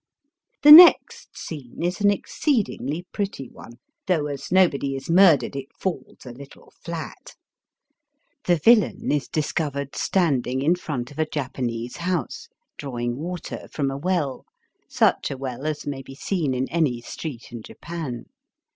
The next scene is an exceedingly pretty one, though as nobody is murdered it falls a little flat. The^viUain is discovered standing in front of a Japanese house, drawing water from a well, such a well as may be seen in any street in Japan.